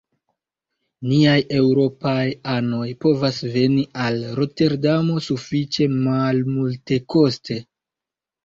Niaj eŭropaj anoj povas veni al Roterdamo sufiĉe malmultekoste.